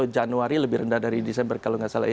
januari lebih rendah dari desember kalau nggak salah